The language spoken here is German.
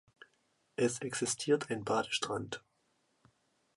Es existiert ein Badestrand.